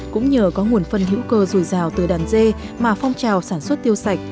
cũng nhờ có nguồn phân hữu cơ rùi rào từ đàn dê mà phong trào sản xuất tiêu sạch